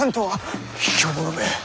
卑怯者め！